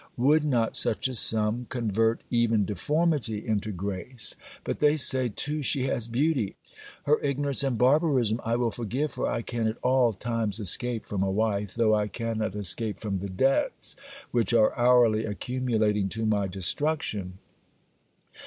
Would not such a sum convert even deformity into grace? But they say too she has beauty. Her ignorance and barbarism I will forgive; for I can at all times escape from a wife, though I cannot escape from the debts which are hourly accumulating to my destruction.